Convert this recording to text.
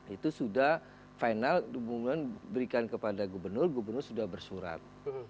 itu sudah final dukungan berikan kepada gubernur gubernur sudah bersurat